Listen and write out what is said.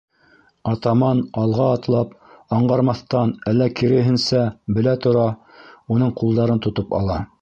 Атаман, алға атлап, аңғармаҫтан, әллә, киреһенсә, белә-тора уның ҡулдарын тотоп ала.